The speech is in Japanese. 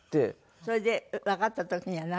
それでわかった時にはなんて？